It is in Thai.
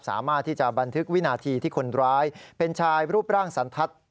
สามารถที่จะบันทึกวินาทีที่คนร้ายเป็นชายรูปร่างสันทัศน์